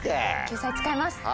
救済使います。